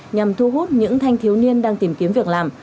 nhằm thu hút những thanh thiếu niên đang tìm kiếm việc làm